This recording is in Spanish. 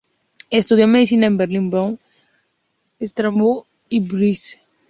Estudió medicina en Berlín, Bonn, Estrasburgo y Würzburg.